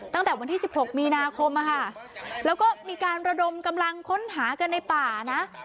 ตั้งแต่วันที่๑๖มีนาคมแล้วก็มีการระดมกำลังค้นหากันในป่านะ